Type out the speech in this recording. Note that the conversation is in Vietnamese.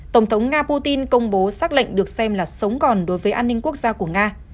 tổng thống nga putin công bố xác lệnh được xem là sống còn đối với an ninh quốc gia của nga